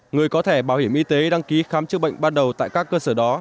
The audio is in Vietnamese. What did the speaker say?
người có thẻ bảo hiểm y tế đăng ký khám chữa bệnh ban đầu tại các cơ sở đó